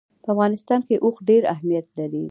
په افغانستان کې اوښ ډېر اهمیت لري.